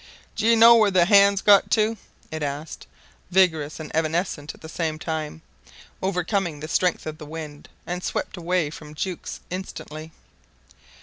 "D'ye know where the hands got to?" it asked, vigorous and evanescent at the same time, overcoming the strength of the wind, and swept away from Jukes instantly.